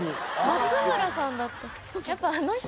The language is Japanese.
松村さんだった。